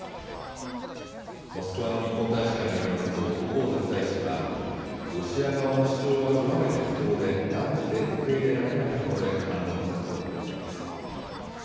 モスクワの日本大使館によりますと、上月大使は、ロシア側の主張は極めて不当で断じて受け入れられないと述べ、反論したということです。